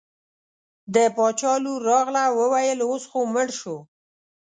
د باچا لور راغله وویل اوس خو مړ شو.